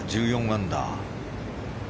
１４アンダー。